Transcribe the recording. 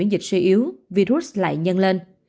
dù yếu virus lại nhân lên